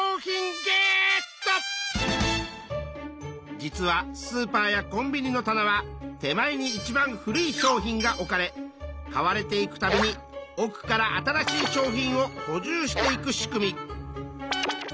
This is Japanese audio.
実はスーパーやコンビニの棚は手前にいちばん古い商品が置かれ買われていくたびに奥から新しい商品をほじゅうしていく仕組み。